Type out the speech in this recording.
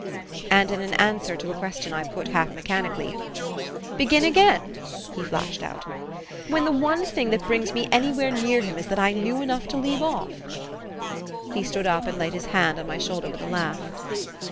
And, in answer to a question I put half mechanically "Begin again?" he flashed out. "When the one thing that brings me anywhere near him is that I knew enough to leave off?" He stood up and laid his hand on my shoulder with a laugh.